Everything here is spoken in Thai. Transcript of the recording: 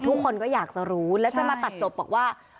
ทุกคนก็อยากจะรู้แล้วจะมาตัดจบบอกว่า